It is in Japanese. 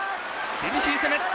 厳しい攻めだ。